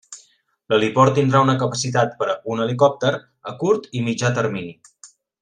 L'heliport tindrà una capacitat per a un helicòpter, a curt i mitjà termini.